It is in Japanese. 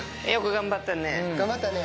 頑張ったね。